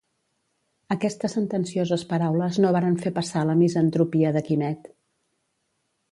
Aquestes sentencioses paraules no varen fer passar la misantropia de Quimet.